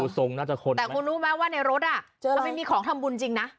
แต่คุณรู้ไหมว่าในรถอ่ะมันไม่มีของทำบุญจริงนะ